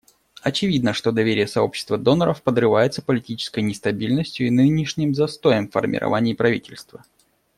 Очевидно, что доверие сообщества доноров подрывается политической нестабильностью и нынешним застоем в формировании правительства.